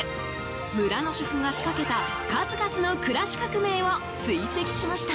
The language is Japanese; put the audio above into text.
村の主婦が仕掛けた数々の暮らし革命を追跡しました。